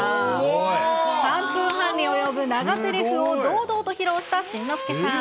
３分半に及ぶ長ぜりふを堂々と披露した新之助さん。